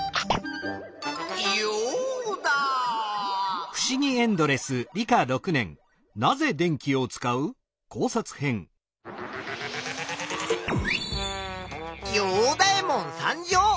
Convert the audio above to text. ヨウダ！ヨウダエモン参上！